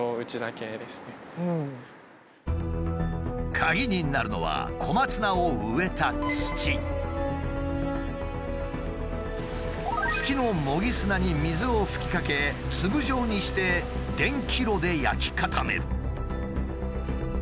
鍵になるのは小松菜を植えた月の模擬砂に水を吹きかけ粒状にして電気炉で焼き固める。